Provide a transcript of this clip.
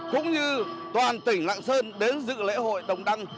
cũng như toàn tỉnh lạng sơn đến dự lễ hội đồng đăng